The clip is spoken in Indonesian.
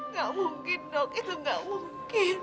gak mungkin dok itu nggak mungkin